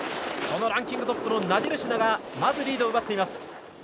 そのランキングトップのナディルシナがリードを奪います。